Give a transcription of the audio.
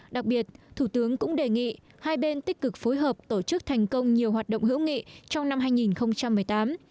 đặc biệt thủ tướng cũng đề nghị hai bên tích cực phối hợp tổ chức thành công nhiều hoạt động hữu nghị trong năm hai nghìn một mươi tám